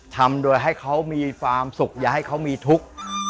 ทำโดยให้เขามีความสุขอย่าให้เขามีทุกข์